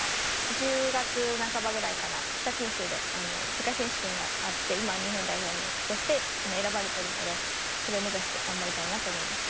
１０月半ばぐらいから北九州で世界選手権があって今日本代表として選ばれてるのでそれを目指して頑張りたいなと思います。